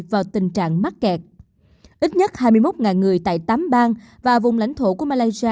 vào tình trạng mắc kẹt ít nhất hai mươi một người tại tám bang và vùng lãnh thổ của malaysia